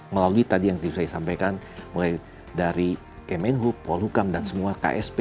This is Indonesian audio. melalui tadi yang saya sampaikan mulai dari kemenhub polhukam dan semua ksp